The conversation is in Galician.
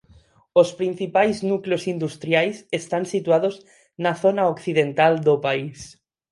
Os principais núcleos industriais están situados na zona occidental do país.